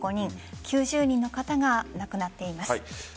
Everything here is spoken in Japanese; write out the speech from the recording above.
９０人の方が亡くなっています。